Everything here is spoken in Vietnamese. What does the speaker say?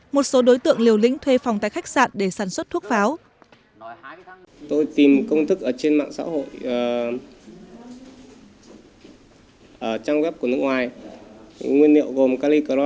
một số đối tượng liều lĩnh thuê phòng tại khách sạn để sản xuất thuốc pháo